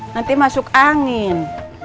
nanti masuk angin